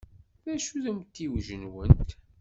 D acu-t umtiweg-nwent?